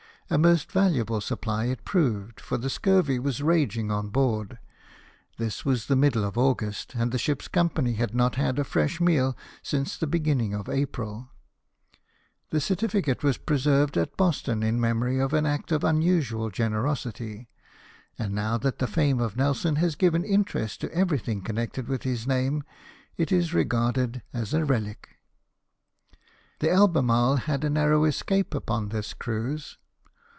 A most valuable supply it proved, for the scurvy was raging on board ; this was in the middle of August, and the ship's company had not had a fresh meal since the beginning of April. The certificate was preserved at Boston in memory of an act of unusual generosity, and now that the fame of Nelson has given interest to everything connected with his name it is regarded as a relic. The Alherndrle had a narrow escape upon this cruise.